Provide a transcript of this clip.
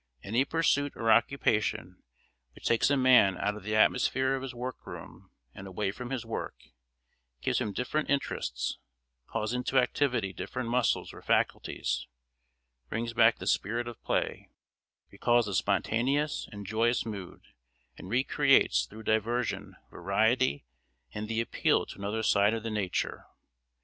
Any pursuit or occupation which takes a man out of the atmosphere of his work room and away from his work, gives him different interests, calls into activity different muscles or faculties, brings back the spirit of play, recalls the spontaneous and joyous mood, and re creates through diversion, variety, and the appeal to another side of the nature.